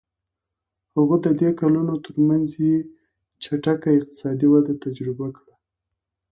هغه د دې کلونو ترمنځ یې چټکه اقتصادي وده تجربه کړه.